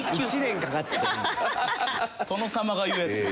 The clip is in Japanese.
殿様が言うやつや。